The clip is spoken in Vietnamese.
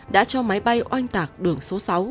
đã cho máy bay oanh tạc đường số sáu